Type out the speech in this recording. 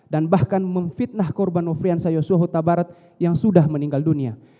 dan bahkan memfitnah korban nofrianza yosuahutabarat yang sudah meninggal dunia